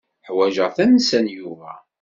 Ḥwajeɣ tansa n Yuba.